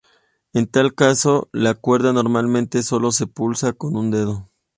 En tal caso la cuerda normalmente sólo se pulsa con un dedo.